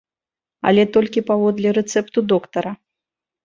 Але толькі паводле рэцэпту доктара.